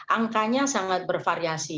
angkanya sangat bervariasi